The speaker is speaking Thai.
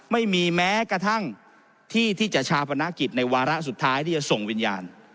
ไม่มีแม้กระทั่งที่ที่จะชาปนกิจในวาระสุดท้ายที่จะส่งวิญญาณ